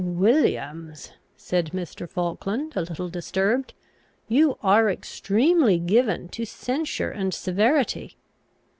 "Williams," said Mr. Falkland, a little disturbed, "you are extremely given to censure and severity."